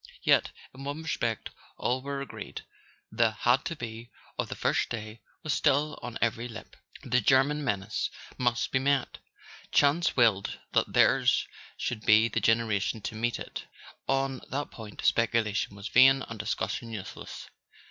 Yet in one respect all were agreed: the "had to be" of the first day was still on every lip. The German menace must be met: chance willed that theirs should be the generation to meet it; on that point speculation was vain and discussion useless.